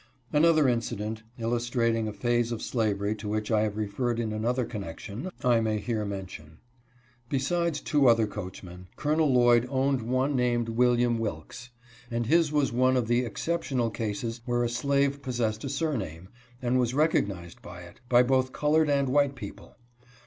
Another incident, illustrating a phase of slavery to which I have referred in another connection, I may here mention. Besides two other coachmen, Col. Lloyd owned one named William Wilks, and his was one of the excep tionable cases where a slave possessed a surname, and was recognized by it, by both colored and white people.